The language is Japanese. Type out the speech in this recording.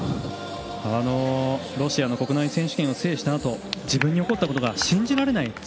ロシアの国内選手権を制したあと自分に起こったことが信じられない。